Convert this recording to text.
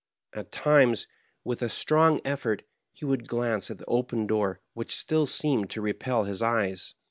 At times, with a strong effort, he would glance at the open door which still seemed to repel his eyes.